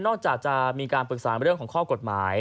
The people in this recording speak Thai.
จากจะมีการปรึกษาเรื่องของข้อกฎหมาย